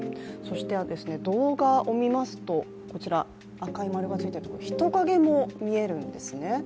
動画を見ますと、赤い丸がついているところ、人影も見えるんですね。